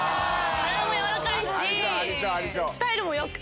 体柔らかいし、スタイルもよくて。